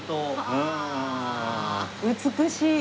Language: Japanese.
美しい。